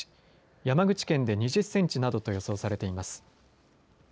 山口県で２０センチなどと予想されています。